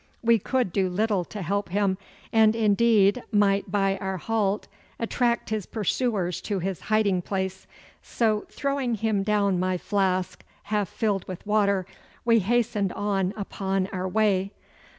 (1) We could do little to help him, and, indeed, might by our halt attract his pursuers to his hiding place; so, throwing him down my flask half filled with water, we hastened on upon our way.